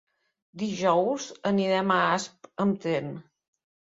Dijous anirem a Asp amb tren.